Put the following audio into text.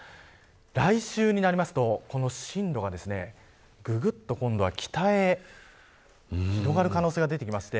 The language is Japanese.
来週になると進路がぐぐっと、今度は北へ広がる可能性が出てきまして。